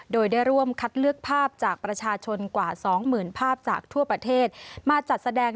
โดยได้ร่วมคัดเลือกภาพจากประชาชนกว่าสองหมื่นภาพจากทั่วประเทศมาจัดแสดง